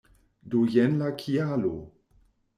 Do jen la kialo!